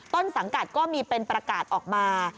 ต้นสังกัดก็มีเป็นประกาศออกมา